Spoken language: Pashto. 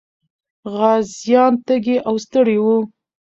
غازيان تږي او ستړي وو.